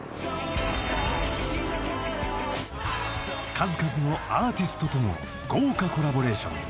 ［数々のアーティストとの豪華コラボレーション］